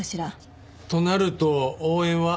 となると応援は。